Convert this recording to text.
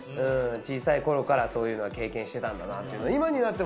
小さい頃からそういうのは経験してたんだな。